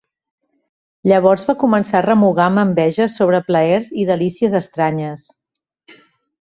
Llavors va començar a remugar amb enveja sobre plaers i delícies estranyes.